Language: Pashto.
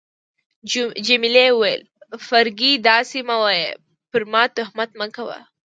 جميلې وويل: فرګي، داسي مه وایه، پر ما تهمت مه کوه.